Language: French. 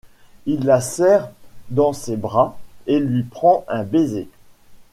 Il la serre dans ses bras, et lui prend un baiser.